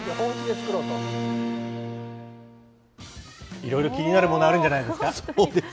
いろいろ気になるものあるんじゃないですか？